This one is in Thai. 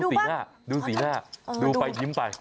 สีหน้าดูสีหน้าดูไปยิ้มไป